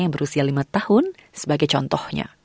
yang berusia lima tahun sebagai contohnya